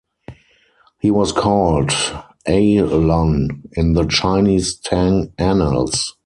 He was called "A-lun" in the Chinese Tang Annals.